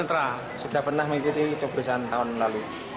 kontra sudah pernah mengikuti coblosan tahun lalu